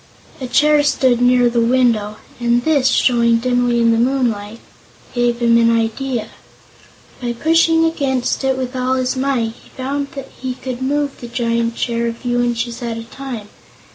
A chair stood near the window, and this showing dimly in the moonlight gave him an idea. By pushing against it with all his might, he found he could move the giant chair a few inches at a time.